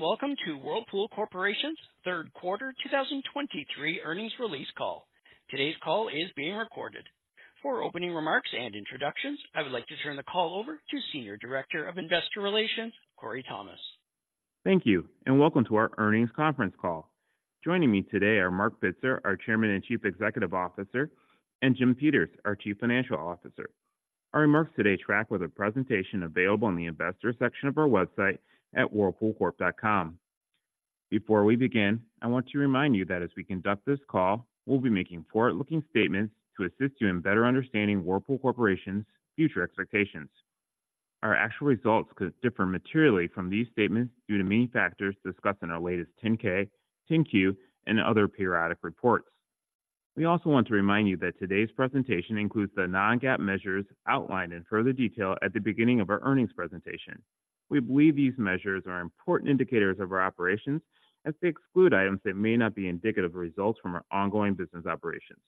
Good morning, and welcome to Whirlpool Corporation's third quarter 2023 earnings release call. Today's call is being recorded. For opening remarks and introductions, I would like to turn the call over to Senior Director of Investor Relations, Korey Thomas. Thank you, and welcome to our earnings conference call. Joining me today are Marc Bitzer, our Chairman and Chief Executive Officer, and Jim Peters, our Chief Financial Officer. Our remarks today track with a presentation available on the investor section of our website at whirlpoolcorp.com. Before we begin, I want to remind you that as we conduct this call, we'll be making forward-looking statements to assist you in better understanding Whirlpool Corporation's future expectations. Our actual results could differ materially from these statements due to many factors discussed in our latest 10-K, 10-Q, and other periodic reports. We also want to remind you that today's presentation includes the non-GAAP measures outlined in further detail at the beginning of our earnings presentation. We believe these measures are important indicators of our operations as they exclude items that may not be indicative of results from our ongoing business operations.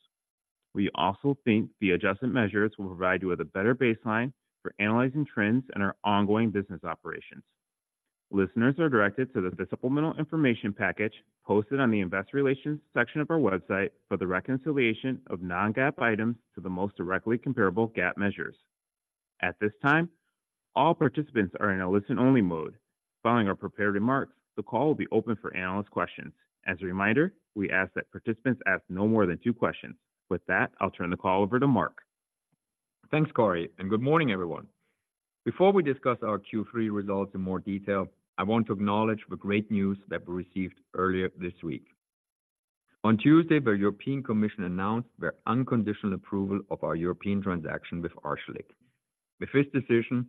We also think the adjustment measures will provide you with a better baseline for analyzing trends in our ongoing business operations. Listeners are directed to the supplemental information package posted on the investor relations section of our website for the reconciliation of non-GAAP items to the most directly comparable GAAP measures. At this time, all participants are in a listen-only mode. Following our prepared remarks, the call will be open for analyst questions. As a reminder, we ask that participants ask no more than two questions. With that, I'll turn the call over to Marc. Thanks, Korey, and good morning, everyone. Before we discuss our Q3 results in more detail, I want to acknowledge the great news that we received earlier this week. On Tuesday, the European Commission announced their unconditional approval of our European transaction with Arçelik. With this decision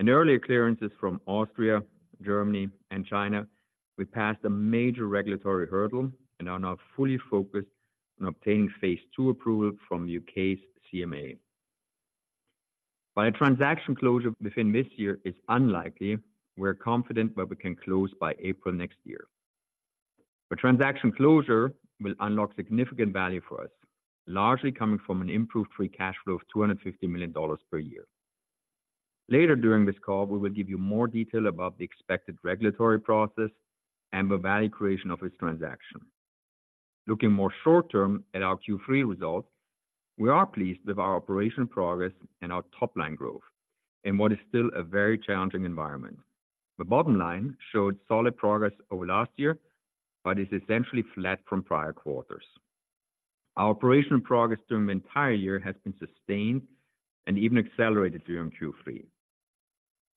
and earlier clearances from Austria, Germany, and China, we passed a major regulatory hurdle and are now fully focused on obtaining phase two approval from U.K.'s CMA. While a transaction closure within this year is unlikely, we're confident that we can close by April next year. The transaction closure will unlock significant value for us, largely coming from an improved free cash flow of $250 million per year. Later during this call, we will give you more detail about the expected regulatory process and the value creation of this transaction. Looking more short term at our Q3 results, we are pleased with our operational progress and our top-line growth in what is still a very challenging environment. The bottom line showed solid progress over last year, but is essentially flat from prior quarters. Our operational progress during the entire year has been sustained and even accelerated during Q3.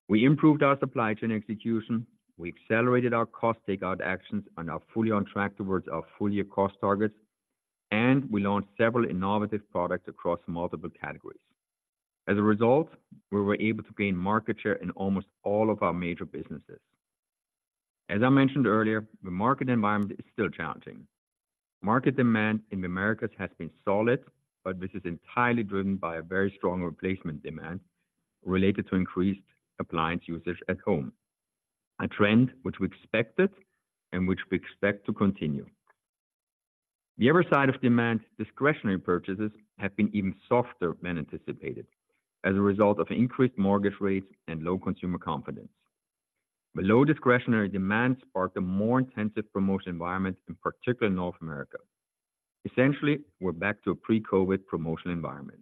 We improved our supply chain execution, we accelerated our cost takeout actions and are fully on track towards our full-year cost targets, and we launched several innovative products across multiple categories. As a result, we were able to gain market share in almost all of our major businesses. As I mentioned earlier, the market environment is still challenging. Market demand in the Americas has been solid, but this is entirely driven by a very strong replacement demand related to increased appliance usage at home, a trend which we expected and which we expect to continue. The other side of demand, discretionary purchases, have been even softer than anticipated as a result of increased mortgage rates and low consumer confidence. The low discretionary demand sparked a more intensive promotion environment, in particular in North America. Essentially, we're back to a pre-COVID promotional environment.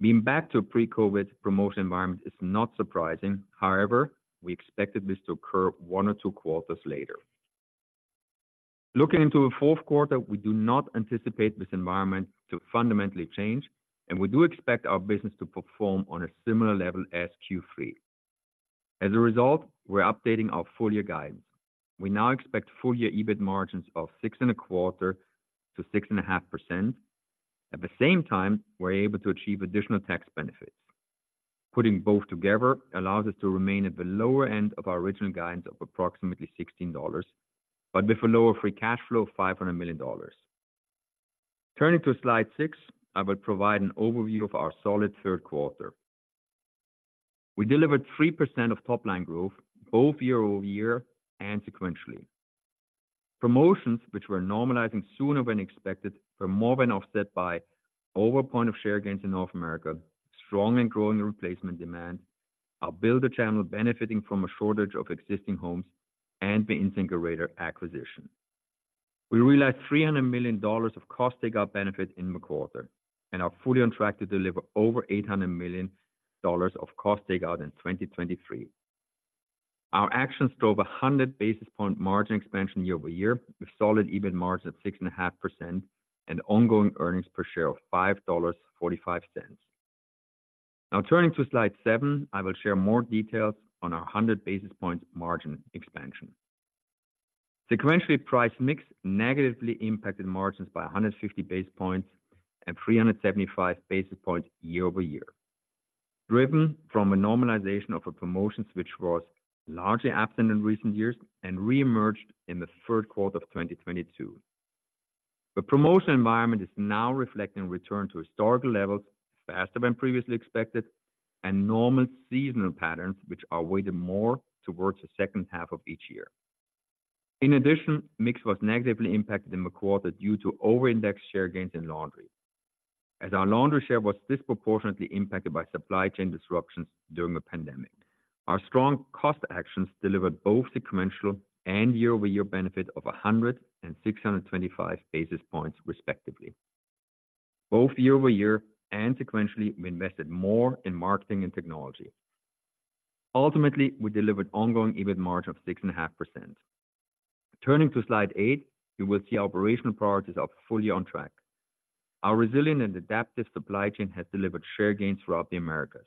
Being back to a pre-COVID promotional environment is not surprising. However, we expected this to occur one or two quarters later. Looking into the fourth quarter, we do not anticipate this environment to fundamentally change, and we do expect our business to perform on a similar level as Q3. As a result, we're updating our full-year guidance. We now expect full-year EBIT margins of 6.25%-6.5%. At the same time, we're able to achieve additional tax benefits. Putting both together allows us to remain at the lower end of our original guidance of approximately $16, but with a lower free cash flow of $500 million. Turning to slide 6, I will provide an overview of our solid third quarter. We delivered 3% of top-line growth both year-over-year and sequentially. Promotions, which were normalizing sooner than expected, were more than offset by over 1 point of share gains in North America, strong and growing replacement demand, our builder channel benefiting from a shortage of existing homes, and the InSinkErator acquisition. We realized $300 million of cost takeout benefit in the quarter, and are fully on track to deliver over $800 million of cost takeout in 2023. Our actions drove 100 basis points margin expansion year-over-year, with solid EBIT margin at 6.5% and ongoing earnings per share of $5.45. Now, turning to slide 7, I will share more details on our 100 basis points margin expansion. Sequentially, price mix negatively impacted margins by 150 basis points and 375 basis points year-over-year, driven from a normalization of promotions which was largely absent in recent years and reemerged in the third quarter of 2022. The promotion environment is now reflecting a return to historical levels faster than previously expected, and normal seasonal patterns, which are weighted more towards the second half of each year. In addition, mix was negatively impacted in the quarter due to over-indexed share gains in laundry. As our laundry share was disproportionately impacted by supply chain disruptions during the pandemic, our strong cost actions delivered both sequential and year-over-year benefit of 106 and 625 basis points, respectively. Both year-over-year and sequentially, we invested more in marketing and technology. Ultimately, we delivered ongoing EBIT margin of 6.5%. Turning to slide 8, you will see operational priorities are fully on track. Our resilient and adaptive supply chain has delivered share gains throughout the Americas.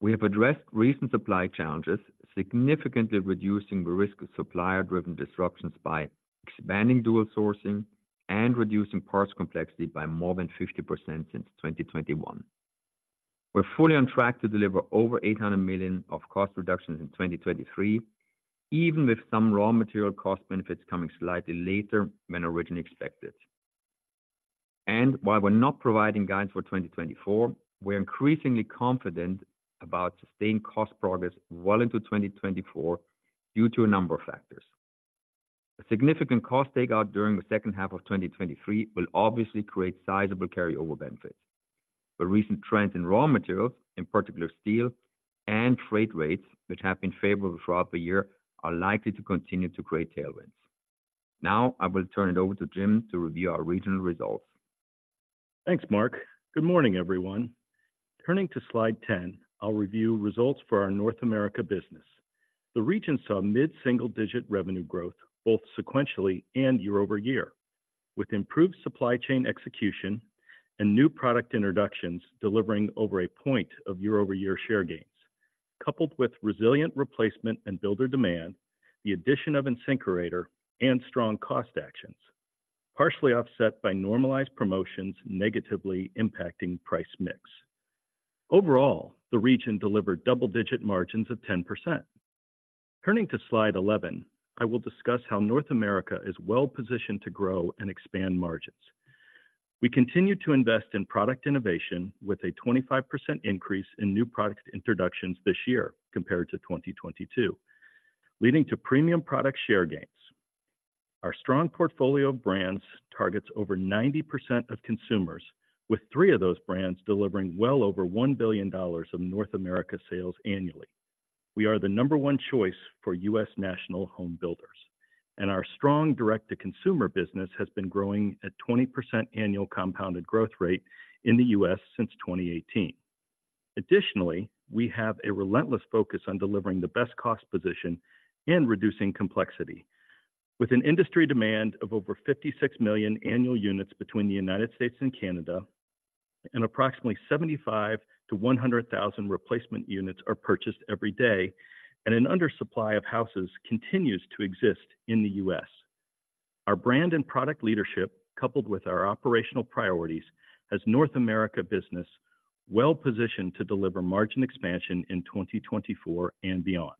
We have addressed recent supply challenges, significantly reducing the risk of supplier-driven disruptions by expanding dual sourcing and reducing parts complexity by more than 50% since 2021. We're fully on track to deliver over $800 million of cost reductions in 2023, even with some raw material cost benefits coming slightly later than originally expected. While we're not providing guidance for 2024, we're increasingly confident about sustained cost progress well into 2024 due to a number of factors. A significant cost takeout during the second half of 2023 will obviously create sizable carryover benefits. The recent trend in raw materials, in particular steel and freight rates, which have been favorable throughout the year, are likely to continue to create tailwinds. Now, I will turn it over to Jim to review our regional results. Thanks, Marc. Good morning, everyone. Turning to slide 10, I'll review results for our North America business. The region saw mid-single-digit revenue growth both sequentially and year-over-year, with improved supply chain execution and new product introductions, delivering over a point of year-over-year share gains, coupled with resilient replacement and builder demand, the addition of InSinkErator and strong cost actions, partially offset by normalized promotions negatively impacting price mix. Overall, the region delivered double-digit margins of 10%. Turning to slide 11, I will discuss how North America is well-positioned to grow and expand margins. We continue to invest in product innovation with a 25% increase in new product introductions this year compared to 2022, leading to premium product share gains. Our strong portfolio of brands targets over 90% of consumers, with three of those brands delivering well over $1 billion of North America sales annually. We are the number one choice for U.S. national home builders, and our strong direct-to-consumer business has been growing at 20% annual compounded growth rate in the U.S. since 2018. Additionally, we have a relentless focus on delivering the best cost position and reducing complexity. With an industry demand of over 56 million annual units between the United States and Canada, and approximately 75,000-100,000 replacement units are purchased every day, and an undersupply of houses continues to exist in the U.S. Our brand and product leadership, coupled with our operational priorities, has North America business well-positioned to deliver margin expansion in 2024 and beyond.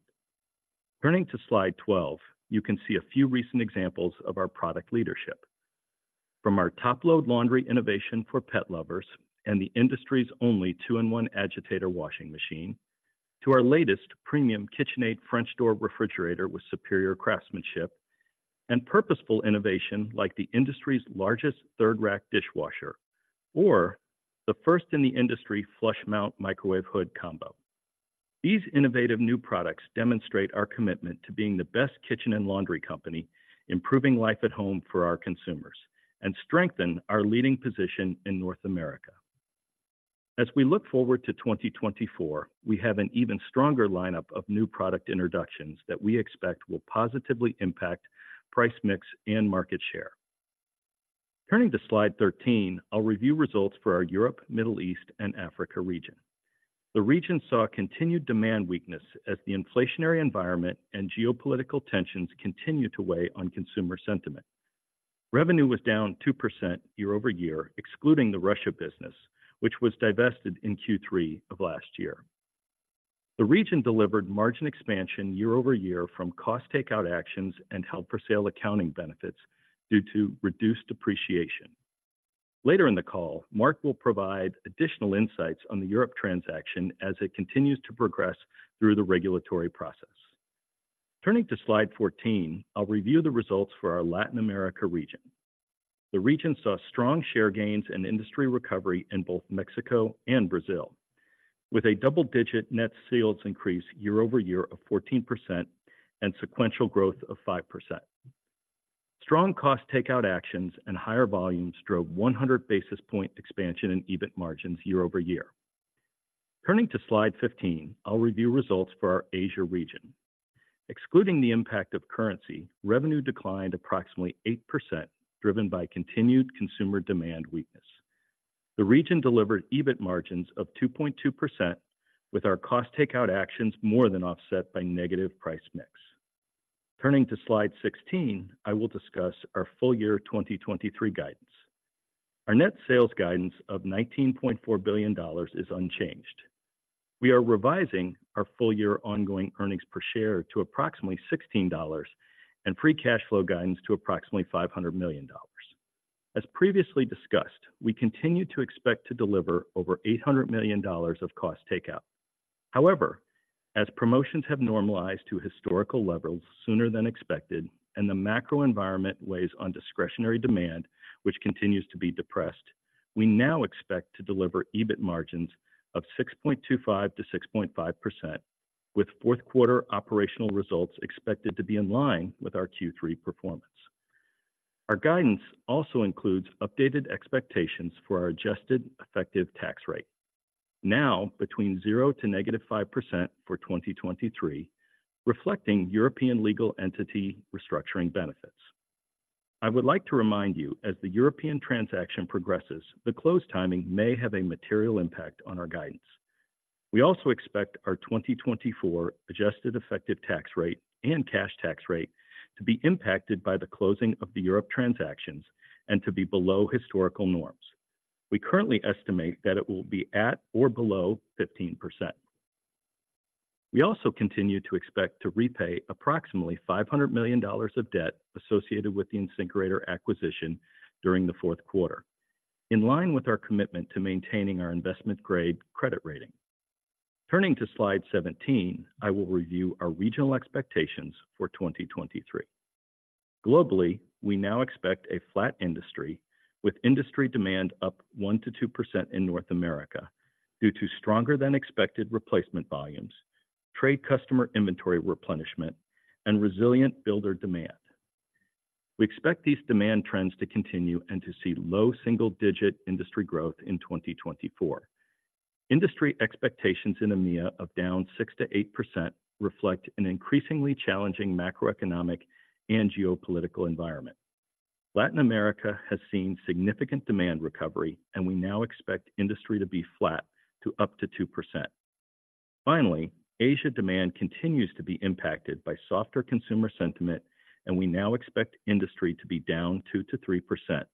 Turning to slide 12, you can see a few recent examples of our product leadership. From our top-load laundry innovation for pet lovers and the industry's only two-in-one agitator washing machine, to our latest premium KitchenAid French door refrigerator with superior craftsmanship and purposeful innovation, like the industry's largest third rack dishwasher, or the first in the industry flush mount microwave hood combo. These innovative new products demonstrate our commitment to being the best kitchen and laundry company, improving life at home for our consumers, and strengthen our leading position in North America. As we look forward to 2024, we have an even stronger lineup of new product introductions that we expect will positively impact price mix and market share. Turning to slide 13, I'll review results for our Europe, Middle East, and Africa region. The region saw continued demand weakness as the inflationary environment and geopolitical tensions continued to weigh on consumer sentiment. Revenue was down 2% year-over-year, excluding the Russia business, which was divested in Q3 of last year. The region delivered margin expansion year-over-year from cost takeout actions and held-for-sale accounting benefits due to reduced depreciation. Later in the call, Marc will provide additional insights on the Europe transaction as it continues to progress through the regulatory process. Turning to slide 14, I'll review the results for our Latin America region. The region saw strong share gains and industry recovery in both Mexico and Brazil, with a double-digit net sales increase year-over-year of 14% and sequential growth of 5%. Strong cost takeout actions and higher volumes drove 100 basis point expansion in EBIT margins year-over-year. Turning to slide 15, I'll review results for our Asia region. Excluding the impact of currency, revenue declined approximately 8%, driven by continued consumer demand weakness. The region delivered EBIT margins of 2.2%, with our cost takeout actions more than offset by negative price mix. Turning to slide 16, I will discuss our full-year 2023 guidance. Our net sales guidance of $19.4 billion is unchanged. We are revising our full-year ongoing earnings per share to approximately $16 and free cash flow guidance to approximately $500 million. As previously discussed, we continue to expect to deliver over $800 million of cost takeout. However, as promotions have normalized to historical levels sooner than expected and the macro environment weighs on discretionary demand, which continues to be depressed, we now expect to deliver EBIT margins of 6.25%-6.5%, with fourth quarter operational results expected to be in line with our Q3 performance. Our guidance also includes updated expectations for our adjusted effective tax rate, now between 0% to -5% for 2023, reflecting European legal entity restructuring benefits. I would like to remind you, as the European transaction progresses, the close timing may have a material impact on our guidance. We also expect our 2024 adjusted effective tax rate and cash tax rate to be impacted by the closing of the Europe transactions and to be below historical norms. We currently estimate that it will be at or below 15%. We also continue to expect to repay approximately $500 million of debt associated with the InSinkErator acquisition during the fourth quarter, in line with our commitment to maintaining our investment-grade credit rating. Turning to slide 17, I will review our regional expectations for 2023. Globally, we now expect a flat industry, with industry demand up 1%-2% in North America due to stronger-than-expected replacement volumes, trade customer inventory replenishment, and resilient builder demand. We expect these demand trends to continue and to see low single-digit industry growth in 2024. Industry expectations in EMEA of down 6%-8% reflect an increasingly challenging macroeconomic and geopolitical environment. Latin America has seen significant demand recovery, and we now expect industry to be flat to up 2%. Finally, Asia demand continues to be impacted by softer consumer sentiment, and we now expect industry to be down 2%-3%.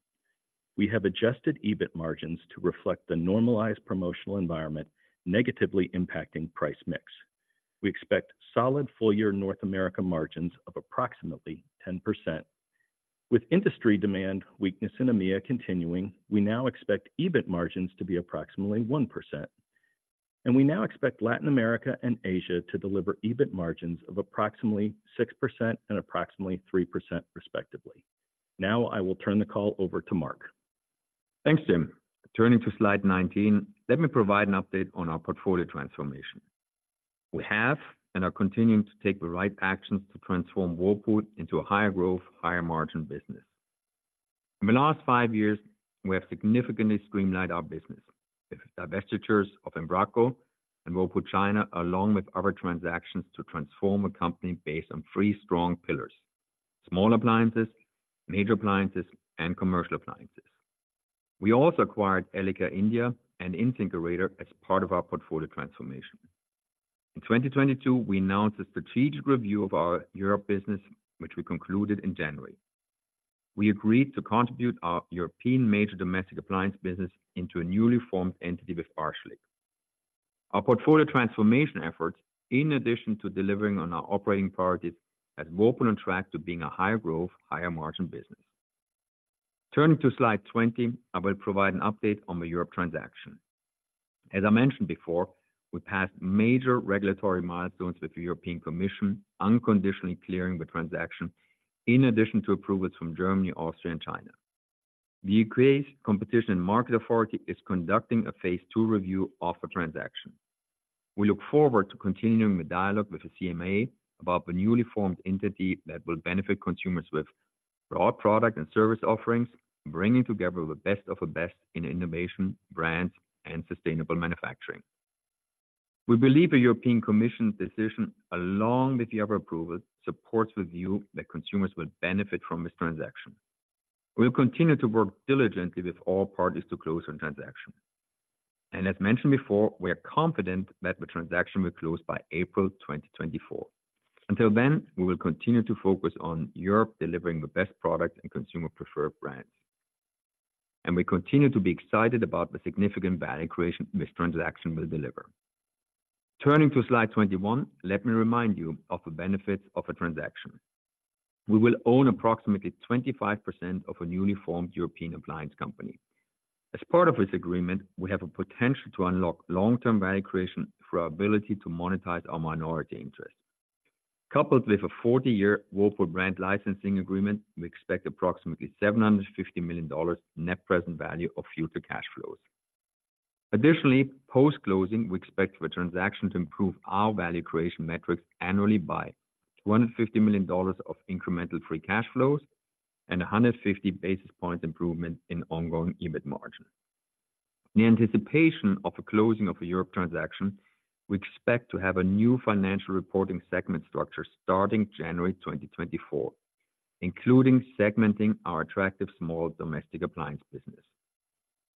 We have adjusted EBIT margins to reflect the normalized promotional environment, negatively impacting price mix. We expect solid full-year North America margins of approximately 10%. With industry demand weakness in EMEA continuing, we now expect EBIT margins to be approximately 1%, and we now expect Latin America and Asia to deliver EBIT margins of approximately 6% and approximately 3% respectively. Now, I will turn the call over to Marc. Thanks, Jim. Turning to slide 19, let me provide an update on our portfolio transformation. We have and are continuing to take the right actions to transform Whirlpool into a higher growth, higher margin business. In the last five years, we have significantly streamlined our business with divestitures of Embraco and Whirlpool China, along with other transactions, to transform a company based on three strong pillars: small appliances, major appliances, and commercial appliances. We also acquired Elica India and InSinkErator as part of our portfolio transformation. In 2022, we announced a strategic review of our Europe business, which we concluded in January. We agreed to contribute our European major domestic appliance business into a newly formed entity with Arçelik. Our portfolio transformation efforts, in addition to delivering on our operating priorities, has Whirlpool on track to being a higher growth, higher margin business. Turning to slide 20, I will provide an update on the European transaction. As I mentioned before, we passed major regulatory milestones with the European Commission, unconditionally clearing the transaction, in addition to approvals from Germany, Austria, and China. The UK's Competition and Markets Authority is conducting a phase 2 review of the transaction. We look forward to continuing the dialogue with the CMA about the newly formed entity that will benefit consumers with broad product and service offerings, bringing together the best of the best in innovation, brands, and sustainable manufacturing. We believe the European Commission's decision, along with the other approvals, supports the view that consumers will benefit from this transaction. We'll continue to work diligently with all parties to close on transaction. As mentioned before, we are confident that the transaction will close by April 2024. Until then, we will continue to focus on Europe delivering the best product and consumer preferred brands, and we continue to be excited about the significant value creation this transaction will deliver. Turning to slide 21, let me remind you of the benefits of the transaction. We will own approximately 25% of a newly formed European appliance company. As part of this agreement, we have a potential to unlock long-term value creation through our ability to monetize our minority interest. Coupled with a 40-year Whirlpool brand licensing agreement, we expect approximately $750 million net present value of future cash flows. Additionally, post-closing, we expect the transaction to improve our value creation metrics annually by $150 million of incremental free cash flows and 150 basis points improvement in ongoing EBIT margin. In anticipation of the closing of the Europe transaction, we expect to have a new financial reporting segment structure starting January 2024, including segmenting our attractive small domestic appliance business.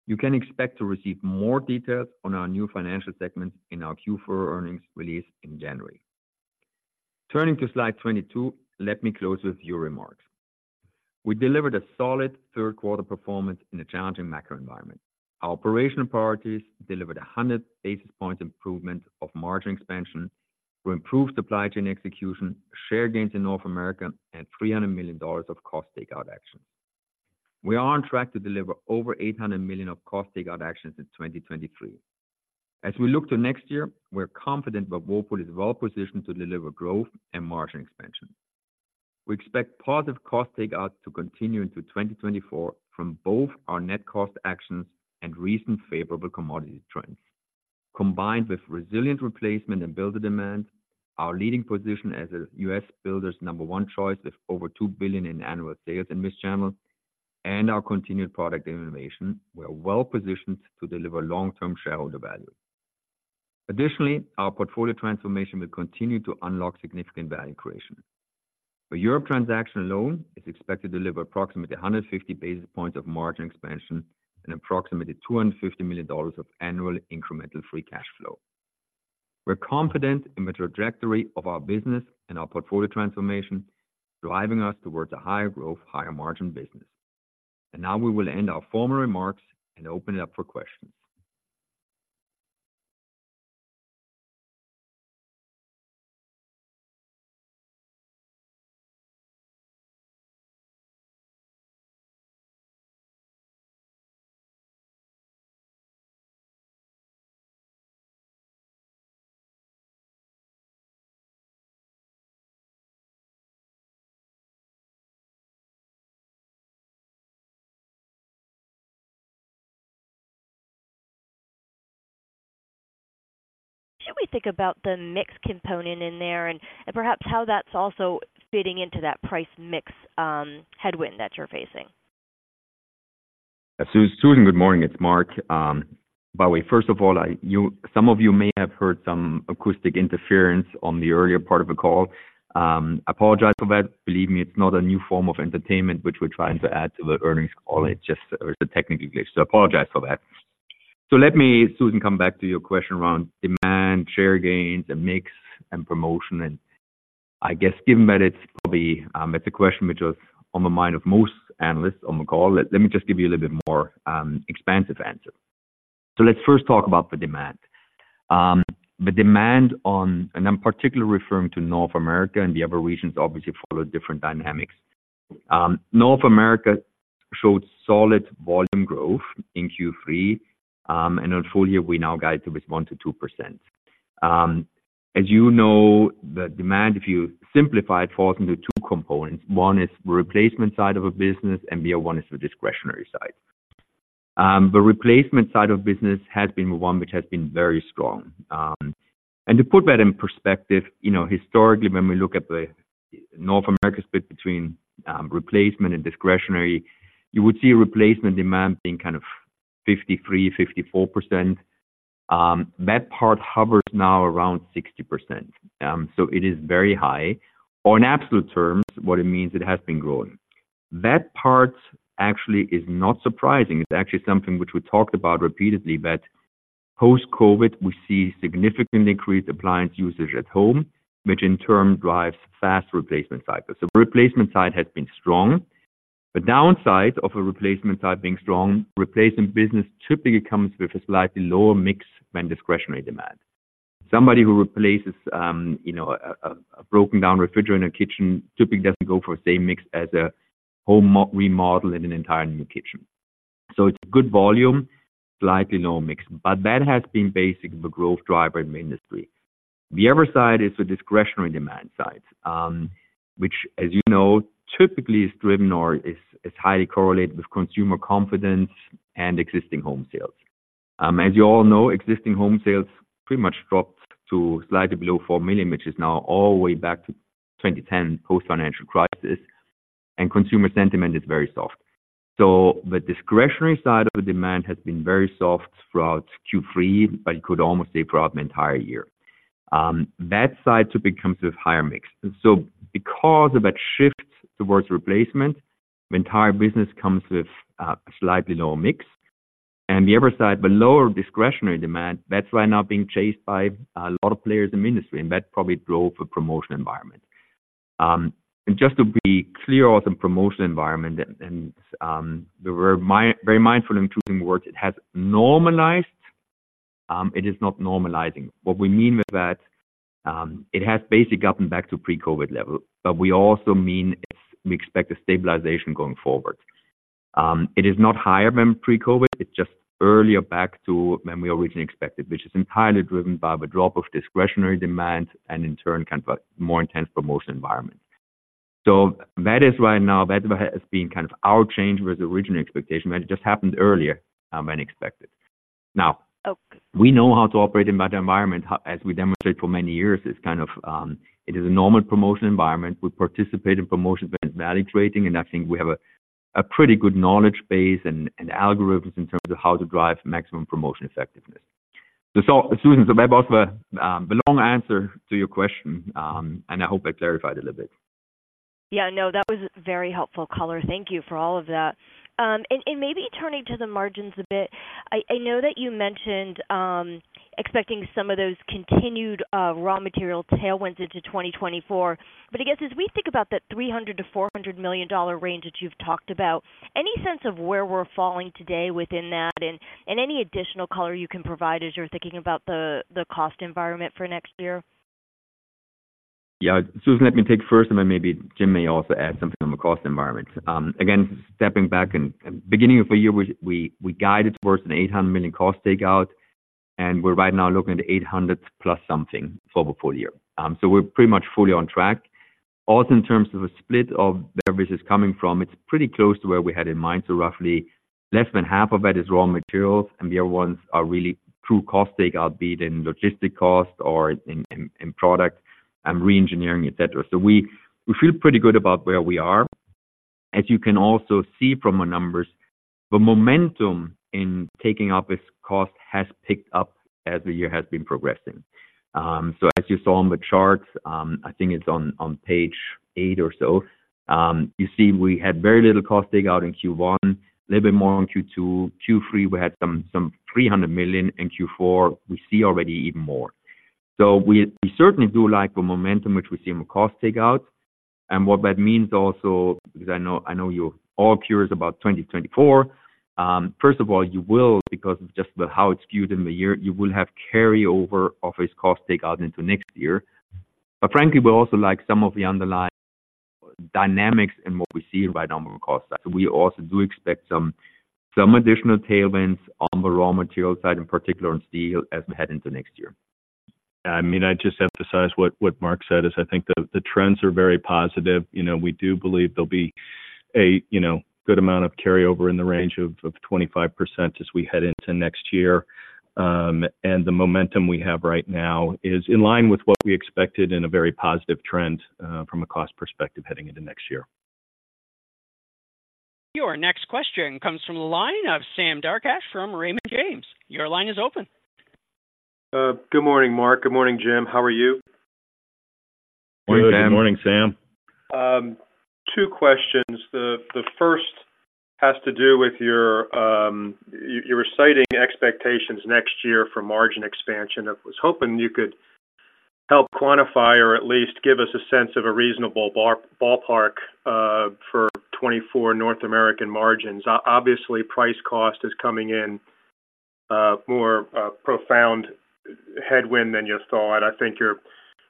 You can expect to receive more details on our new financial segments in our Q4 earnings release in January. Turning to slide 22, let me close with your remarks. We delivered a solid third quarter performance in a challenging macro environment. Our operational priorities delivered 100 basis points improvement of margin expansion. We improved supply chain execution, share gains in North America, and $300 million of cost takeout actions. We are on track to deliver over $800 million of cost takeout actions in 2023. As we look to next year, we're confident that Whirlpool is well positioned to deliver growth and margin expansion. We expect positive cost takeout to continue into 2024 from both our net cost actions and recent favorable commodity trends. Combined with resilient replacement and builder demand, our leading position as a U.S. builder's number one choice, with over $2 billion in annual sales in this channel, and our continued product innovation, we are well positioned to deliver long-term shareholder value. Additionally, our portfolio transformation will continue to unlock significant value creation. The European transaction alone is expected to deliver approximately 150 basis points of margin expansion and approximately $250 million of annual incremental free cash flow. We're confident in the trajectory of our business and our portfolio transformation, driving us towards a higher growth, higher margin business. Now we will end our formal remarks and open it up for questions. How do we think about the mix component in there and, and perhaps how that's also fitting into that price mix, headwind that you're facing? Susan, good morning. It's Marc. By the way, first of all, some of you may have heard some acoustic interference on the earlier part of the call. Apologize for that. Believe me, it's not a new form of entertainment, which we're trying to add to the earnings call. It's just a technical glitch, so apologize for that. So let me, Susan, come back to your question around demand, share gains and mix and promotion. And I guess given that it's probably, it's a question which was on the mind of most analysts on the call, let me just give you a little bit more, expansive answer. So let's first talk about the demand. The demand on, and I'm particularly referring to North America and the other regions, obviously, follow different dynamics. North America showed solid volume growth in Q3, and on full year, we now guide to 1%-2%. As you know, the demand, if you simplify it, falls into two components. One is the replacement side of a business, and the other one is the discretionary side. The replacement side of business has been one which has been very strong. And to put that in perspective, you know, historically, when we look at the North America split between replacement and discretionary, you would see replacement demand being kind of 53%-54%. That part hovers now around 60%, so it is very high. Or in absolute terms, what it means, it has been growing. That part actually is not surprising. It's actually something which we talked about repeatedly, that post-COVID, we see significantly increased appliance usage at home, which in turn drives fast replacement cycles. So the replacement side has been strong. The downside of a replacement side being strong, replacement business typically comes with a slightly lower mix than discretionary demand. Somebody who replaces, you know, a broken down refrigerator in a kitchen typically doesn't go for the same mix as a home remodel in an entirely new kitchen. So it's good volume, slightly lower mix, but that has been basically the growth driver in the industry. The other side is the discretionary demand side, which, as you know, typically is driven or is highly correlated with consumer confidence and existing home sales. As you all know, existing home sales pretty much dropped to slightly below 4 million, which is now all the way back to 2010, post-financial crisis, and consumer sentiment is very soft. So the discretionary side of the demand has been very soft throughout Q3, but you could almost say throughout the entire year. That side typically comes with higher mix. So because of that shift towards replacement, the entire business comes with a slightly lower mix. And the other side, the lower discretionary demand, that's why now being chased by a lot of players in the industry, and that probably drove the promotion environment. And just to be clear on the promotional environment, we're very mindful in choosing words, it has normalized, it is not normalizing. What we mean with that, it has basically gotten back to pre-COVID level, but we also mean it's, we expect a stabilization going forward. It is not higher than pre-COVID, it's just earlier back to when we originally expected, which is entirely driven by the drop of discretionary demand and in turn, kind of a more intense promotion environment. So that is why now, that is what has been kind of our change with the original expectation, but it just happened earlier than expected. Now, we know how to operate in that environment, how, as we demonstrate for many years, it's kind of, it is a normal promotion environment. We participate in promotions when value creating, and I think we have a, a pretty good knowledge base and, and algorithms in terms of how to drive maximum promotion effectiveness. So, Susan, so that was the long answer to your question, and I hope I clarified it a little bit. Yeah, no, that was very helpful color. Thank you for all of that. And maybe turning to the margins a bit. I know that you mentioned expecting some of those continued raw material tailwinds into 2024, but I guess as we think about that $300 million-$400 million range that you've talked about, any sense of where we're falling today within that and any additional color you can provide as you're thinking about the cost environment for next year? ... Yeah, Susan, let me take first, and then maybe Jim may also add something on the cost environment. Again, stepping back and beginning of the year, we guided towards $800 million cost takeout, and we're right now looking at the $800 million plus something for the full year. So we're pretty much fully on track. Also, in terms of a split of where this is coming from, it's pretty close to where we had in mind. So roughly less than half of it is raw materials, and the other ones are really true cost takeout, be it in logistics costs or in product and reengineering, et cetera. So we feel pretty good about where we are. As you can also see from our numbers, the momentum in taking up this cost has picked up as the year has been progressing. So as you saw on the charts, I think it's on page 8 or so, you see, we had very little cost takeout in Q1, a little bit more on Q2. Q3, we had some $300 million. In Q4, we see already even more. So we certainly do like the momentum, which we see in the cost takeout. And what that means also, because I know you're all curious about 2024. First of all, you will, because of just how it's skewed in the year, you will have carryover of this cost takeout into next year. But frankly, we also like some of the underlying dynamics and what we see right now on the cost side. So we also do expect some additional tailwinds on the raw material side, in particular in steel, as we head into next year. I mean, I'd just emphasize what Marc said is I think the trends are very positive. You know, we do believe there'll be a you know good amount of carryover in the range of 25% as we head into next year. And the momentum we have right now is in line with what we expected in a very positive trend from a cost perspective, heading into next year. Your next question comes from the line of Sam Darkatsh from Raymond James. Your line is open. Good morning, Marc. Good morning, Jim. How are you? Good morning, Sam. Good morning, Sam. Two questions. The first has to do with you were citing expectations next year for margin expansion. I was hoping you could help quantify or at least give us a sense of a reasonable ballpark for 2024 North American margins. Obviously, price cost is coming in more profound headwind than you thought. I think your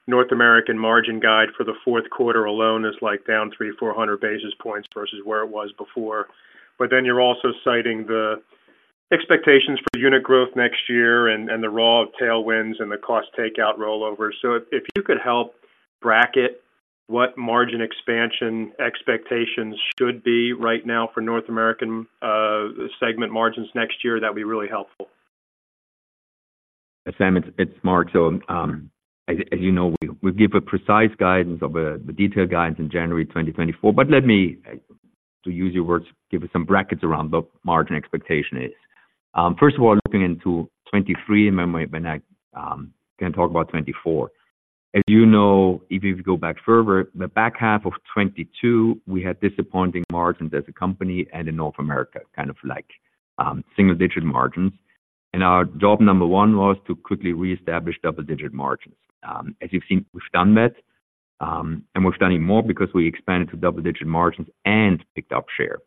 North American margin guide for the fourth quarter alone is like down 300-400 basis points versus where it was before. But then you're also citing the expectations for unit growth next year and the raw tailwinds and the cost takeout rollover. So if you could help bracket what margin expansion expectations should be right now for North American segment margins next year, that'd be really helpful. Sam, it's Marc. So, as you know, we give a precise guidance of the detailed guidance in January 2024. But let me, to use your words, give you some brackets around what margin expectation is. First of all, looking into 2023, and then I can talk about 2024. As you know, if you go back further, the back half of 2022, we had disappointing margins as a company and in North America, kind of like single-digit margins. And our job number one was to quickly reestablish double-digit margins. As you've seen, we've done that, and we've done it more because we expanded to double-digit margins and picked up share.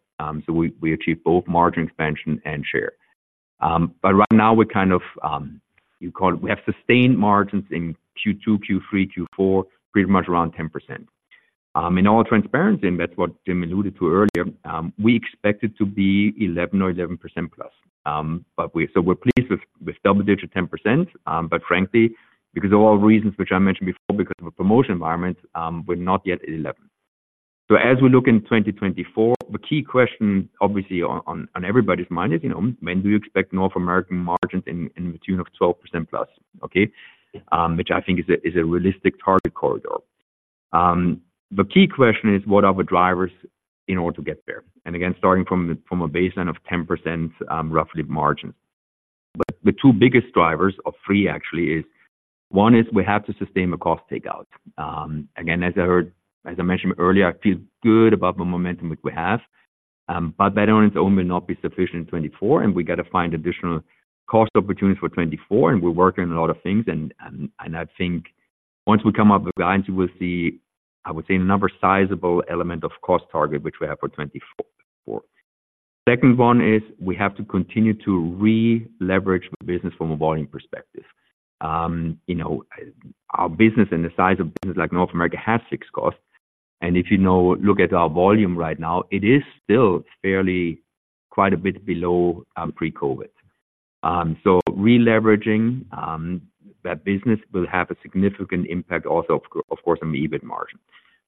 So we achieved both margin expansion and share. But right now we're kind of, you call it, we have sustained margins in Q2, Q3, Q4, pretty much around 10%. In all transparency, and that's what Jim alluded to earlier, we expect it to be 11 or 11% plus. But we're pleased with double-digit 10%, but frankly, because of all reasons which I mentioned before, because of a promotion environment, we're not yet at 11%. So as we look in 2024, the key question obviously on everybody's mind is, you know, when do you expect North American margins in the tune of 12% plus? Okay, which I think is a realistic target corridor. The key question is, what are the drivers in order to get there? Again, starting from a baseline of 10%, roughly margin. But the two biggest drivers of three actually is, one is we have to sustain the cost takeout. Again, as I mentioned earlier, I feel good about the momentum which we have, but that on its own may not be sufficient in 2024, and we got to find additional cost opportunities for 2024, and we're working on a lot of things. And I think once we come up with guidance, you will see, I would say, another sizable element of cost target, which we have for 2024. Second one is we have to continue to re-leverage the business from a volume perspective. You know, our business and the size of business like North America has fixed costs, and if you know, look at our volume right now, it is still fairly, quite a bit below pre-COVID. So re-leveraging that business will have a significant impact also, of course, on the EBIT margin.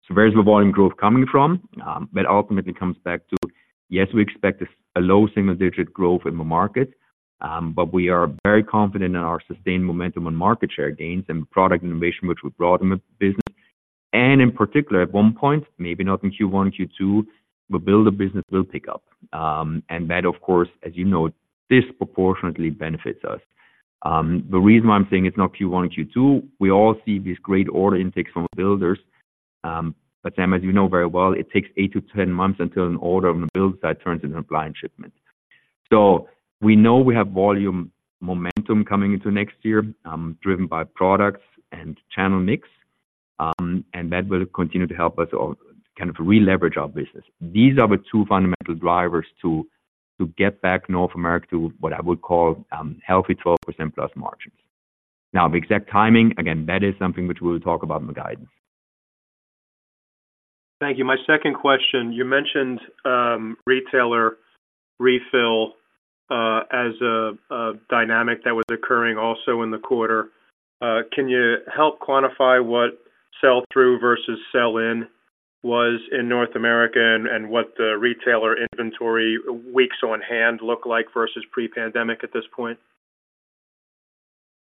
So where is the volume growth coming from? That ultimately comes back to, yes, we expect a low single-digit growth in the market, but we are very confident in our sustained momentum on market share gains and product innovation, which we brought in the business. And in particular, at one point, maybe not in Q1 or Q2, the builder business will pick up. And that, of course, as you know, disproportionately benefits us. The reason why I'm saying it's not Q1 or Q2, we all see these great order intakes from the builders, but Sam, as you know very well, it takes 8-10 months until an order on the build side turns into a blind shipment. So we know we have volume momentum coming into next year, driven by products and channel mix, and that will continue to help us all kind of re-leverage our business. These are the two fundamental drivers to get back North America to what I would call, healthy 12%+ margins. Now, the exact timing, again, that is something which we will talk about in the guidance. Thank you. My second question: you mentioned retailer refill as a dynamic that was occurring also in the quarter. Can you help quantify what sell-through versus sell-in was in North America and what the retailer inventory weeks on hand look like versus pre-pandemic at this point?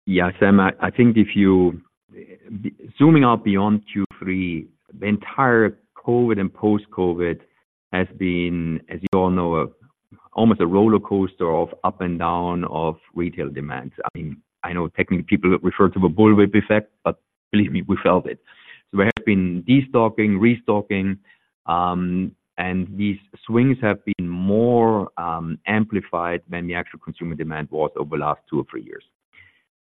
Yeah, Sam, I think zooming out beyond Q3, the entire COVID and post-COVID has been, as you all know, almost a rollercoaster of up and down of retail demands. I mean, I know technically people refer to a bullwhip effect, but believe me, we felt it. So we have been destocking, restocking, and these swings have been more amplified than the actual consumer demand was over the last two or three years.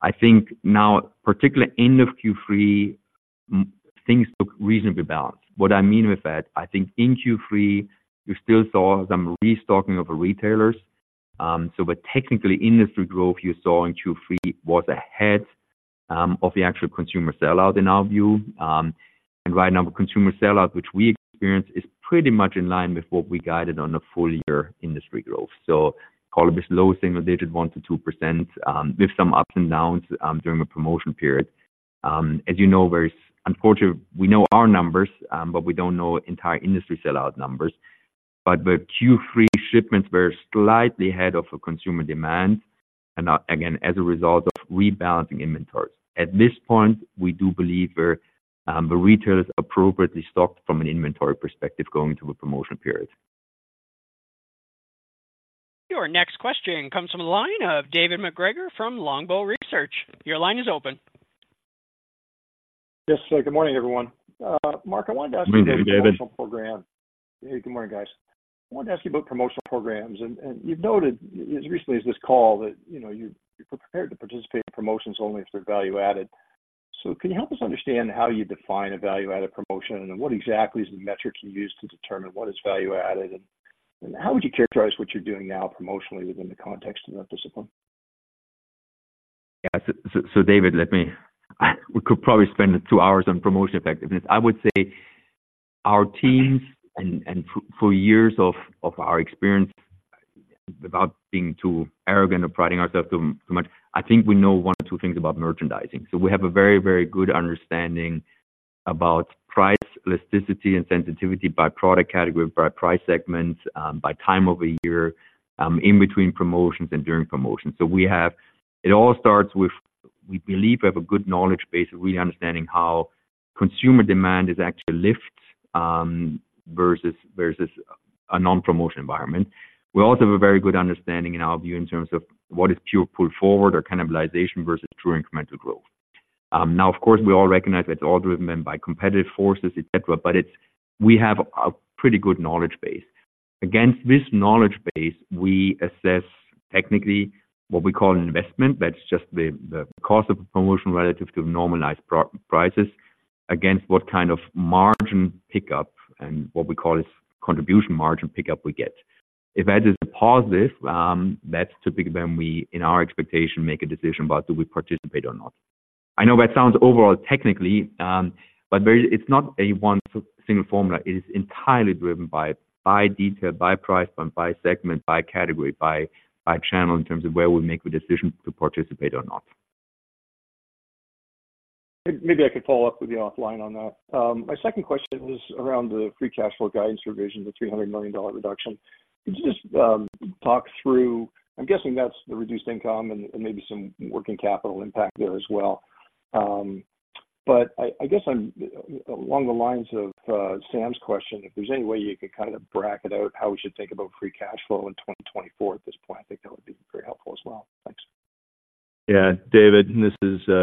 I think now, particularly end of Q3, things look reasonably balanced. What I mean with that, I think in Q3, you still saw some restocking of the retailers. So but technically, industry growth you saw in Q3 was ahead of the actual consumer sellout, in our view. And right now, the consumer sellout, which we experienced, is pretty much in line with what we guided on the full-year industry growth. So call it this low single-digit, 1%-2%, with some ups and downs during the promotion period. As you know, very unfortunately, we know our numbers, but we don't know entire industry sellout numbers. But the Q3 shipments were slightly ahead of the consumer demand, and again, as a result of rebalancing inventories. At this point, we do believe we're the retailer is appropriately stocked from an inventory perspective going into a promotion period. Your next question comes from the line of David MacGregor from Longbow Research. Your line is open. Yes. Good morning, everyone. Mark, I wanted to ask you- Good morning, David. Hey, good morning, guys. I wanted to ask you about promotional programs, and you've noted as recently as this call that, you know, you're prepared to participate in promotions only if they're value added. So can you help us understand how you define a value-added promotion, and what exactly is the metrics you use to determine what is value added? And how would you characterize what you're doing now promotionally within the context of that discipline? Yeah. So David, let me... We could probably spend two hours on promotion effectiveness. I would say our teams and for years of our experience, without being too arrogant or priding ourselves too much, I think we know one or two things about merchandising. So we have a very, very good understanding about price elasticity and sensitivity by product category, by price segments, by time of a year, in between promotions and during promotions. So it all starts with, we believe we have a good knowledge base of really understanding how consumer demand is actually lift versus a non-promotion environment. We also have a very good understanding, in our view, in terms of what is pure pull forward or cannibalization versus true incremental growth. Now, of course, we all recognize that it's all driven by competitive forces, et cetera, but we have a pretty good knowledge base. Against this knowledge base, we assess technically what we call an investment. That's just the cost of a promotion relative to normalized prices against what kind of margin pickup and what we call is contribution margin pickup we get. If that is a positive, that's typically when we, in our expectation, make a decision about do we participate or not. I know that sounds overall, technically, but it's not a one single formula. It is entirely driven by detail, by price, by segment, by category, by channel in terms of where we make a decision to participate or not. Maybe I could follow up with you offline on that. My second question was around the free cash flow guidance revision, the $300 million reduction. Could you just talk through... I'm guessing that's the reduced income and, and maybe some working capital impact there as well. But I guess I'm along the lines of Sam's question, if there's any way you could kind of bracket out how we should think about free cash flow in 2024 at this point, I think that would be very helpful as well. Thanks. Yeah, David, this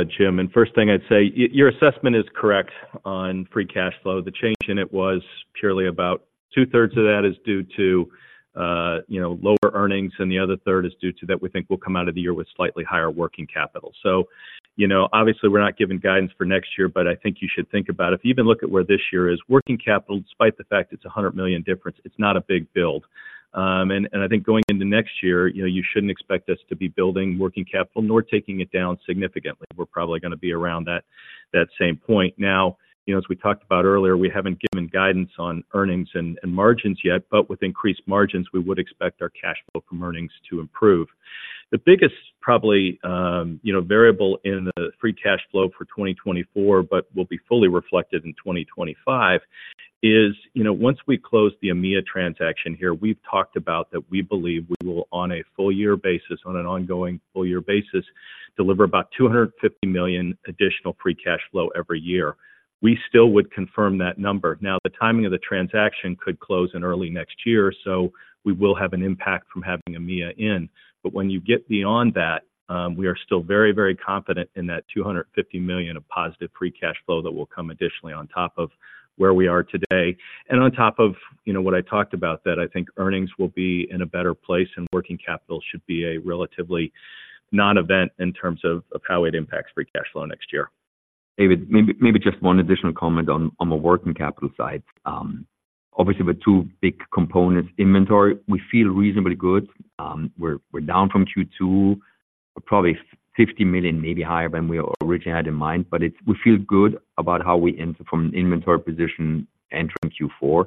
is Jim. And first thing I'd say, your assessment is correct on free cash flow. The change in it was purely about two-thirds of that is due to, you know, lower earnings, and the other third is due to that we think will come out of the year with slightly higher working capital. So, you know, obviously, we're not giving guidance for next year, but I think you should think about it. If you even look at where this year is, working capital, despite the fact it's a $100 million difference, it's not a big build. And I think going into next year, you know, you shouldn't expect us to be building working capital nor taking it down significantly. We're probably gonna be around that same point. Now, you know, as we talked about earlier, we haven't given guidance on earnings and, and margins yet, but with increased margins, we would expect our cash flow from earnings to improve. The biggest probably, you know, variable in the free cash flow for 2024, but will be fully reflected in 2025, is, you know, once we close the EMEA transaction here, we've talked about that we believe we will, on a full year basis, on an ongoing full year basis, deliver about $250 million additional free cash flow every year. We still would confirm that number. Now, the timing of the transaction could close in early next year, so we will have an impact from having EMEA in. But when you get beyond that, we are still very, very confident in that $250 million of positive free cash flow that will come additionally on top of where we are today. And on top of, you know, what I talked about, that I think earnings will be in a better place and working capital should be a relatively non-event in terms of, of how it impacts free cash flow next year... David, maybe just one additional comment on the working capital side. Obviously, with two big components, inventory, we feel reasonably good. We're down from Q2, probably $50 million, maybe higher than we originally had in mind, but it's—we feel good about how we enter from an inventory position entering Q4.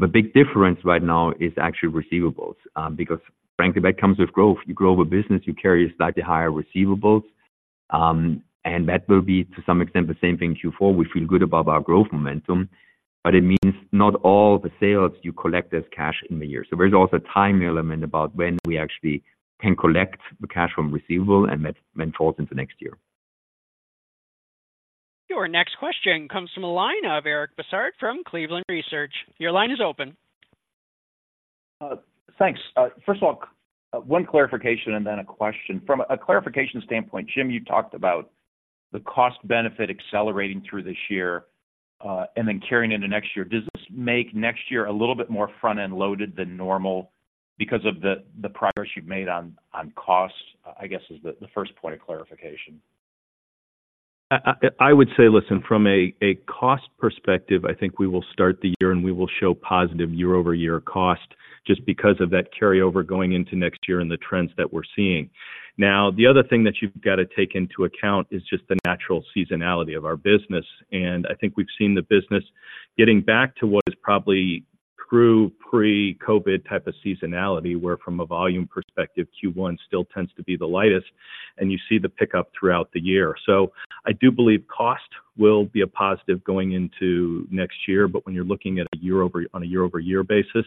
The big difference right now is actually receivables, because frankly, that comes with growth. You grow a business, you carry a slightly higher receivables, and that will be, to some extent, the same thing in Q4. We feel good about our growth momentum, but it means not all the sales you collect as cash in the year. So there's also a time element about when we actually can collect the cash from receivable and that meant falls into next year. Your next question comes from the line of Eric Bosshard from Cleveland Research. Your line is open. Thanks. First of all, one clarification and then a question. From a clarification standpoint, Jim, you talked about the cost benefit accelerating through this year, and then carrying into next year. Does this make next year a little bit more front-end loaded than normal because of the progress you've made on costs? I guess is the first point of clarification. I would say, listen, from a cost perspective, I think we will start the year and we will show positive year-over-year cost just because of that carryover going into next year and the trends that we're seeing. Now, the other thing that you've got to take into account is just the natural seasonality of our business. And I think we've seen the business getting back to what is probably true pre-COVID type of seasonality, where from a volume perspective, Q1 still tends to be the lightest, and you see the pickup throughout the year. So I do believe cost will be a positive going into next year, but when you're looking at a year-over-year basis,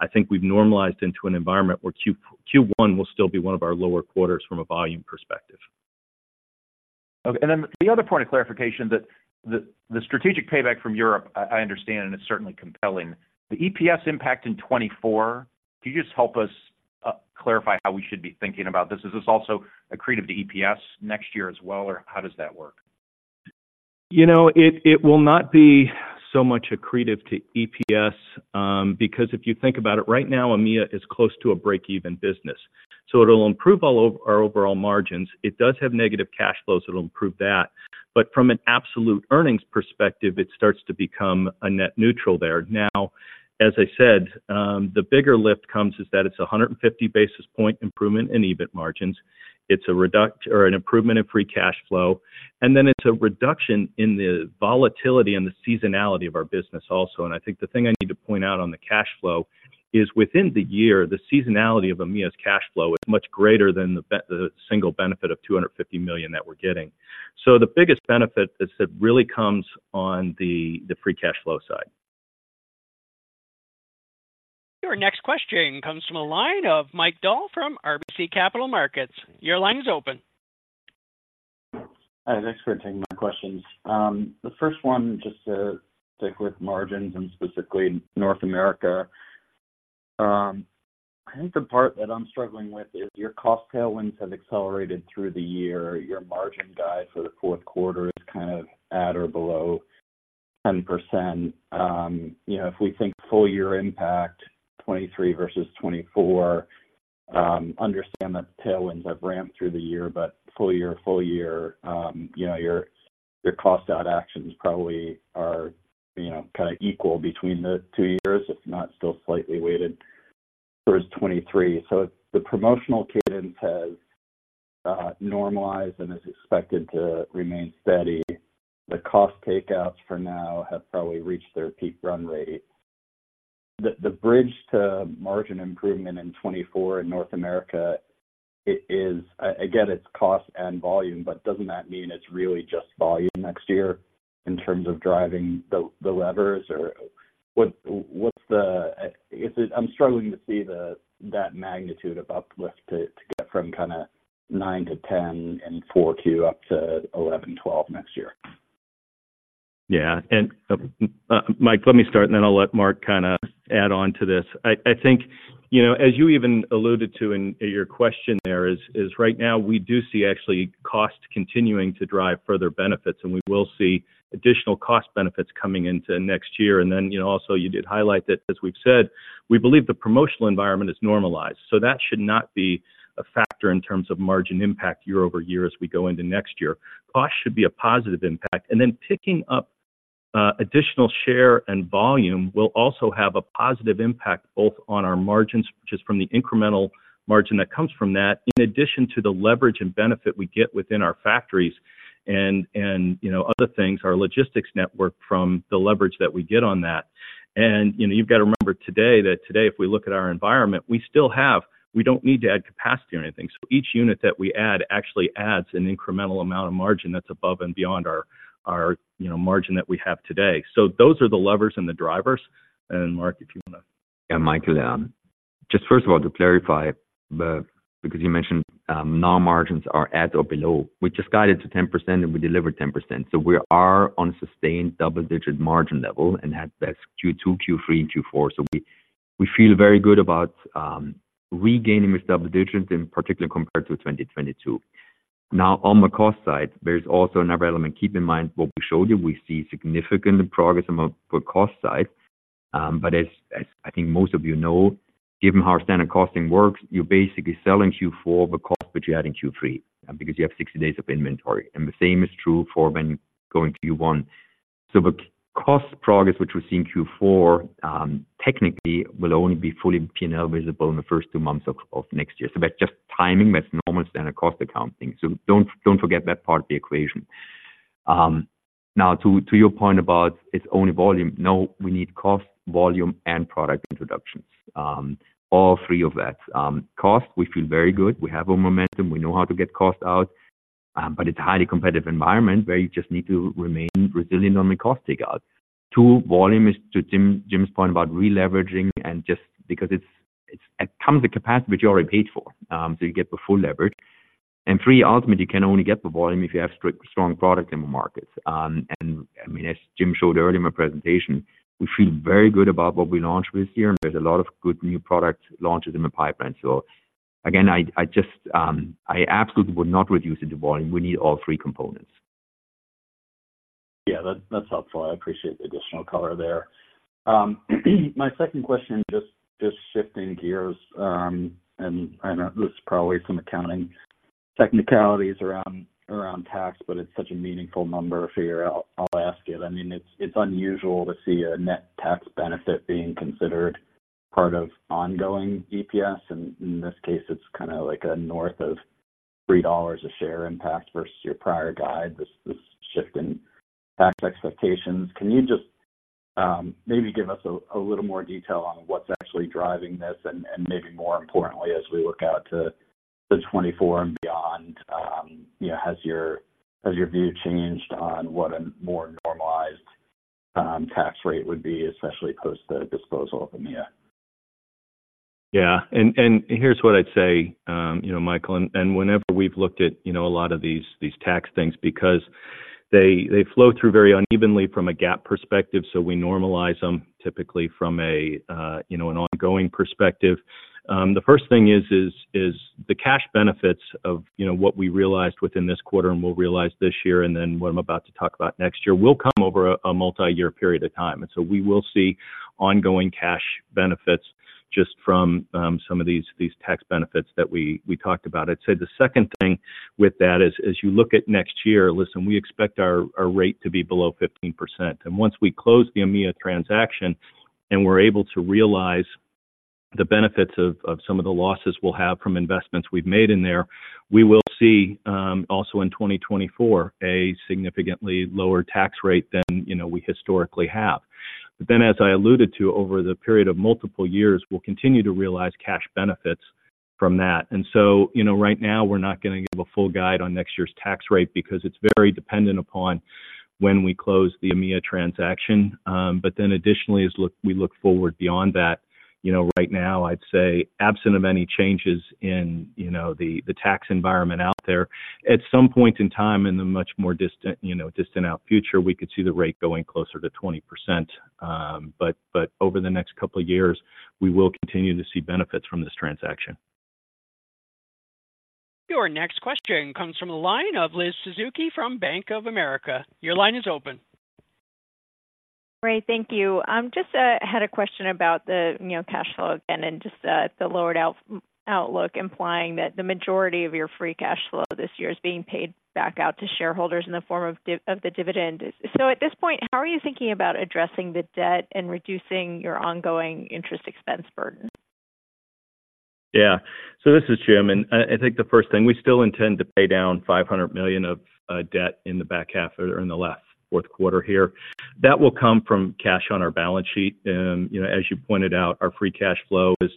I think we've normalized into an environment where Q1 will still be one of our lower quarters from a volume perspective. Okay. And then the other point of clarification, that the, the strategic payback from Europe, I, I understand, and it's certainly compelling. The EPS impact in 2024, can you just help us clarify how we should be thinking about this? Is this also accretive to EPS next year as well, or how does that work? You know, it will not be so much accretive to EPS, because if you think about it, right now, EMEA is close to a break-even business. So it'll improve our overall margins. It does have negative cash flows, it'll improve that. But from an absolute earnings perspective, it starts to become a net neutral there. Now, as I said, the bigger lift comes is that it's a 150 basis point improvement in EBIT margins. It's an improvement in free cash flow, and then it's a reduction in the volatility and the seasonality of our business also. And I think the thing I need to point out on the cash flow is within the year, the seasonality of EMEA's cash flow is much greater than the single benefit of $250 million that we're getting. The biggest benefit is it really comes on the free cash flow side. Your next question comes from the line of Mike Dahl from RBC Capital Markets. Your line is open. Hi, thanks for taking my questions. The first one, just to stick with margins and specifically North America. I think the part that I'm struggling with is your cost tailwinds have accelerated through the year. Your margin guide for the fourth quarter is kind of at or below 10%. You know, if we think full year impact, 2023 versus 2024, understand that the tailwinds have ramped through the year, but full year, full year, you know, your, your cost out actions probably are, you know, kinda equal between the two years, if not still slightly weighted towards 2023. So the promotional cadence has normalized and is expected to remain steady. The cost takeouts for now have probably reached their peak run rate. The bridge to margin improvement in 2024 in North America, it is, again, it's cost and volume, but doesn't that mean it's really just volume next year in terms of driving the levers? Or what's the, is it, I'm struggling to see that magnitude of uplift to get from kinda 9-10 in 4Q up to 11, 12 next year. Yeah. Mike, let me start, and then I'll let Marc kinda add on to this. I think, you know, as you even alluded to in your question there is right now we do see actually cost continuing to drive further benefits, and we will see additional cost benefits coming into next year. And then, you know, also you did highlight that, as we've said, we believe the promotional environment is normalized. So that should not be a factor in terms of margin impact year over year as we go into next year. Cost should be a positive impact. And then picking up additional share and volume will also have a positive impact, both on our margins, just from the incremental margin that comes from that, in addition to the leverage and benefit we get within our factories and, you know, other things, our logistics network, from the leverage that we get on that. And, you know, you've got to remember today, that today, if we look at our environment, we still have we don't need to add capacity or anything. So each unit that we add actually adds an incremental amount of margin that's above and beyond our you know, margin that we have today. So those are the levers and the drivers. And Mark, if you wanna- Yeah, Michael, just first of all, to clarify, the, because you mentioned, now margins are at or below. We just guided to 10%, and we delivered 10%. So we are on a sustained double-digit margin level and had that Q2, Q3, and Q4. So we, we feel very good about regaining this double digits, in particular, compared to 2022. Now, on the cost side, there's also another element. Keep in mind, what we showed you, we see significant progress on the cost side. But as I think most of you know, given how our standard costing works, you're basically selling Q4 the cost, which you had in Q3, because you have 60 days of inventory. And the same is true for when you go into Q1. So the cost progress, which we see in Q4, technically, will only be fully P&L visible in the first two months of next year. So that's just timing, that's normal standard cost accounting. So don't forget that part of the equation. Now, to your point about it's only volume. No, we need cost, volume, and product introductions. All three of that. Cost, we feel very good. We have a momentum. We know how to get cost out, but it's a highly competitive environment where you just need to remain resilient on the cost take out. Too, volume is, to Jim's point about releveraging, and just because it comes with capacity, which you already paid for, so you get the full leverage. And three, ultimately, you can only get the volume if you have strict, strong product in the markets. And I mean, as Jim showed earlier in my presentation, we feel very good about what we launched this year, and there's a lot of good new product launches in the pipeline. So again, I just, I absolutely would not reduce into volume. We need all three components. Yeah, that's, that's helpful. I appreciate the additional color there. My second question, just, just shifting gears, and I know this is probably some accounting technicalities around, around tax, but it's such a meaningful number figure, I'll, I'll ask it. I mean, it's, it's unusual to see a net tax benefit being considered part of ongoing EPS, and in this case, it's kinda like a north of $3 a share impact versus your prior guide, this, this shift in tax expectations. Can you just, maybe give us a, a little more detail on what's actually driving this? And, and maybe more importantly, as we look out to, to 2024 and beyond, you know, has your-- has your view changed on what a more normalized, tax rate would be, especially post the disposal of EMEA? Yeah, and here's what I'd say, you know, Michael, and whenever we've looked at, you know, a lot of these tax things because they flow through very unevenly from a GAAP perspective, so we normalize them, typically from a, you know, an ongoing perspective. The first thing is the cash benefits of, you know, what we realized within this quarter and we'll realize this year, and then what I'm about to talk about next year, will come over a multi-year period of time. And so we will see ongoing cash benefits just from some of these tax benefits that we talked about. I'd say the second thing with that is, as you look at next year, listen, we expect our rate to be below 15%. Once we close the EMEA transaction and we're able to realize the benefits of some of the losses we'll have from investments we've made in there, we will see also in 2024 a significantly lower tax rate than, you know, we historically have. But then, as I alluded to, over the period of multiple years, we'll continue to realize cash benefits from that. And so, you know, right now, we're not gonna give a full guide on next year's tax rate because it's very dependent upon when we close the EMEA transaction. But then additionally, we look forward beyond that, you know, right now, I'd say absent of any changes in, you know, the tax environment out there, at some point in time, in the much more distant, you know, distant future, we could see the rate going closer to 20%. But over the next couple of years, we will continue to see benefits from this transaction. Your next question comes from a line of Liz Suzuki from Bank of America. Your line is open. Great, thank you. Just had a question about the, you know, cash flow again and just the lowered outlook, implying that the majority of your free cash flow this year is being paid back out to shareholders in the form of dividend. So at this point, how are you thinking about addressing the debt and reducing your ongoing interest expense burden? Yeah. So this is Jim, and I think the first thing, we still intend to pay down $500 million of debt in the back half or in the last fourth quarter here. That will come from cash on our balance sheet. You know, as you pointed out, our free cash flow is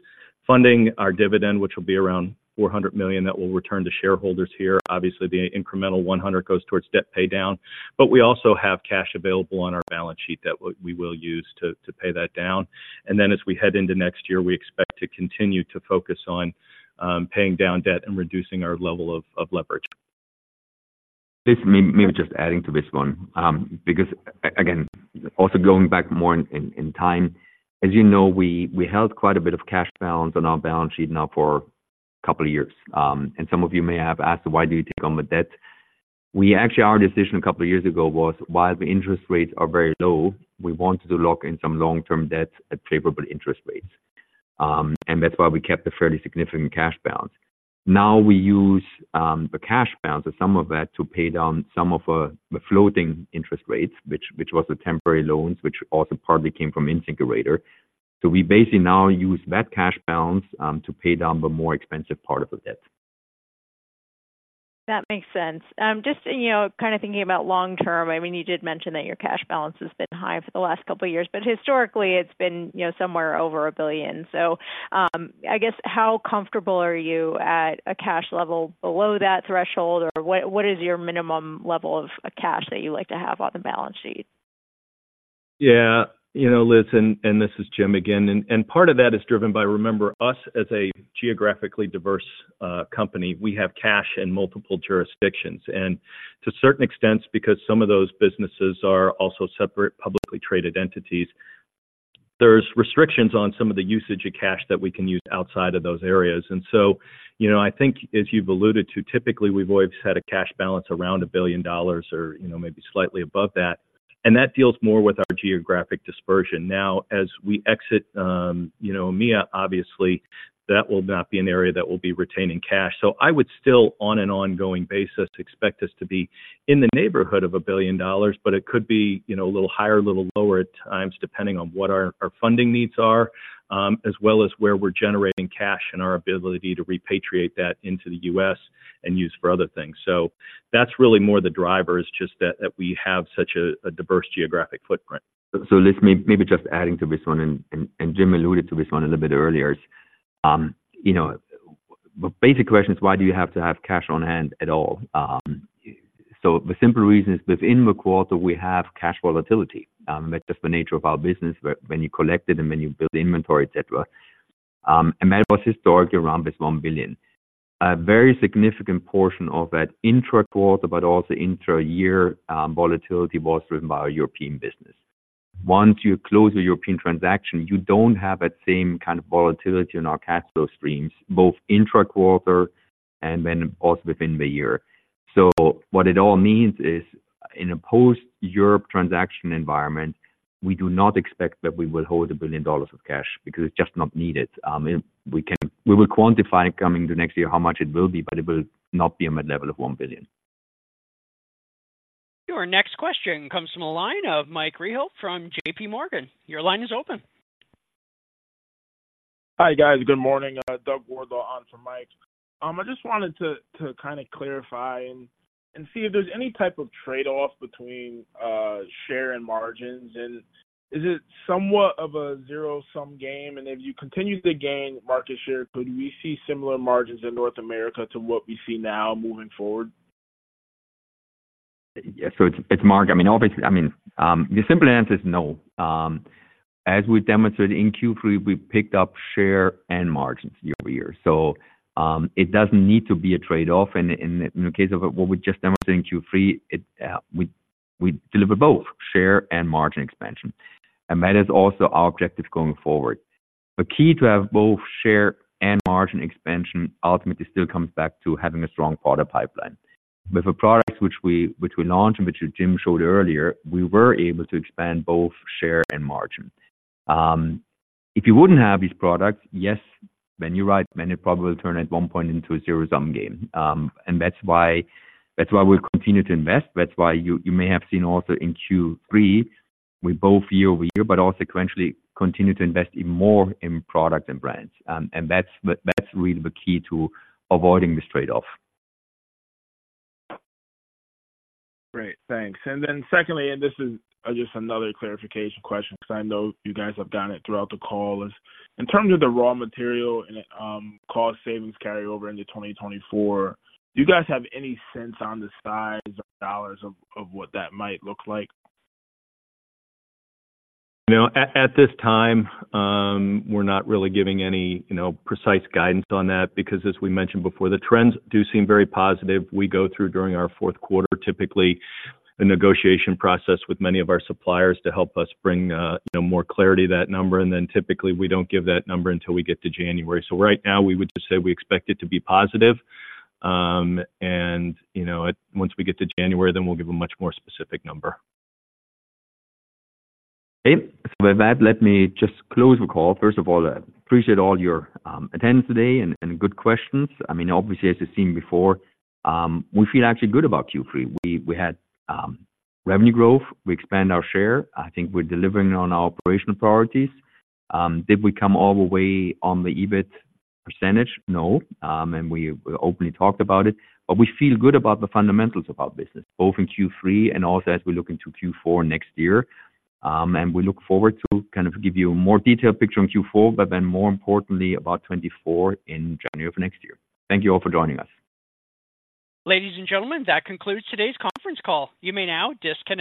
funding our dividend, which will be around $400 million, that will return to shareholders here. Obviously, the incremental $100 goes towards debt paydown, but we also have cash available on our balance sheet that we will use to pay that down. And then as we head into next year, we expect to continue to focus on paying down debt and reducing our level of leverage. It's me just adding to this one, because, again, also going back more in time. As you know, we held quite a bit of cash balance on our balance sheet now for a couple of years. And some of you may have asked, "Why do you take on the debt?" We actually, our decision a couple of years ago was, while the interest rates are very low, we wanted to lock in some long-term debt at favorable interest rates. And that's why we kept a fairly significant cash balance. Now, we use the cash balance or some of that to pay down some of the floating interest rates, which was the temporary loans, which also partly came from InSinkErator. So we basically now use that cash balance to pay down the more expensive part of the debt. That makes sense. Just, you know, kinda thinking about long term, I mean, you did mention that your cash balance has been high for the last couple of years, but historically, it's been, you know, somewhere over $1 billion. So, I guess, how comfortable are you at a cash level below that threshold? Or what, what is your minimum level of cash that you like to have on the balance sheet? Yeah, you know, Liz, this is Jim again. And part of that is driven by, remember, us as a geographically diverse company, we have cash in multiple jurisdictions. And to certain extents, because some of those businesses are also separate, publicly traded entities, there's restrictions on some of the usage of cash that we can use outside of those areas. And so, you know, I think as you've alluded to, typically, we've always had a cash balance around $1 billion or, you know, maybe slightly above that. And that deals more with our geographic dispersion. Now, as we exit EMEA, obviously that will not be an area that will be retaining cash. So I would still, on an ongoing basis, expect us to be in the neighborhood of $1 billion, but it could be, you know, a little higher, a little lower at times, depending on what our funding needs are, as well as where we're generating cash and our ability to repatriate that into the U.S. and use for other things. So that's really more the driver, is just that we have such a diverse geographic footprint. So listen, maybe just adding to this one, Jim alluded to this one a little bit earlier. You know, the basic question is why do you have to have cash on hand at all? So the simple reason is within the quarter, we have cash volatility. That's just the nature of our business, where when you collect it and when you build inventory, et cetera. And that was historically around $1 billion. A very significant portion of that intra-quarter, but also intra-year, volatility was driven by our European business. Once you close a European transaction, you don't have that same kind of volatility in our cash flow streams, both intra-quarter and then also within the year. So what it all means is, in a post-Europe transaction environment, we do not expect that we will hold $1 billion of cash because it's just not needed. We will quantify coming to next year how much it will be, but it will not be on the level of $1 billion. Your next question comes from the line of Mike Rehaut from JP Morgan. Your line is open. Hi, guys. Good morning, Doug Ward on for Mike. I just wanted to kinda clarify and see if there's any type of trade-off between share and margins, and is it somewhat of a zero-sum game? If you continue to gain market share, could we see similar margins in North America to what we see now moving forward? Yeah, so it's Marc. I mean, obviously—I mean, the simple answer is no. As we demonstrated in Q3, we picked up share and margins year-over-year. So, it doesn't need to be a trade-off, and, and in the case of what we just demonstrated in Q3, it, we, we deliver both share and margin expansion, and that is also our objective going forward. The key to have both share and margin expansion ultimately still comes back to having a strong product pipeline. With the products which we, which we launched and which Jim showed earlier, we were able to expand both share and margin. If you wouldn't have these products, yes, then you're right, then it probably turn at one point into a zero-sum game. And that's why, that's why we continue to invest. That's why you may have seen also in Q3, we both year-over-year, but also sequentially continue to invest even more in products and brands. And that's really the key to avoiding this trade-off. Great, thanks. Then secondly, this is just another clarification question, because I know you guys have done it throughout the call. In terms of the raw material and cost savings carry over into 2024, do you guys have any sense on the size of dollars of what that might look like? You know, at this time, we're not really giving any, you know, precise guidance on that, because as we mentioned before, the trends do seem very positive. We go through, during our fourth quarter, typically a negotiation process with many of our suppliers to help us bring, you know, more clarity to that number, and then typically, we don't give that number until we get to January. So right now we would just say we expect it to be positive. And, you know, once we get to January, then we'll give a much more specific number. Okay. So with that, let me just close the call. First of all, I appreciate all your attendance today and good questions. I mean, obviously, as you've seen before, we feel actually good about Q3. We had revenue growth, we expand our share. I think we're delivering on our operational priorities. Did we come all the way on the EBIT percentage? No. And we openly talked about it, but we feel good about the fundamentals of our business, both in Q3 and also as we look into Q4 next year. And we look forward to kind of give you a more detailed picture on Q4, but then more importantly, about 2024 in January of next year. Thank you all for joining us. Ladies and gentlemen, that concludes today's conference call. You may now disconnect.